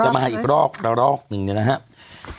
จะมาอีกรอบรอบหนึ่งนะครับ